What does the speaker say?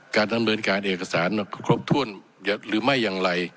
การดำเนินการเอกสารครบถ้วนหรือไม่อย่างไร